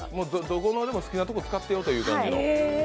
どこまでも好きなとこ使ってよという感じの。